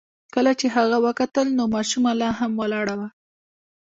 کله چې هغه وکتل نو ماشومه لا هم ولاړه وه.